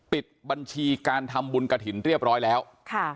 ปิดบัญชีการทำบุญกระถิ่นเรียบร้อยแล้วค่ะ